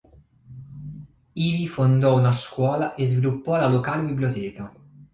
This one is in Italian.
Ivi fondò una scuola e sviluppò la locale biblioteca.